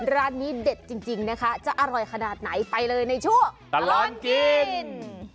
ร้านนี้เด็ดจริงนะคะจะอร่อยขนาดไหนไปเลยในช่วงตลอดกิน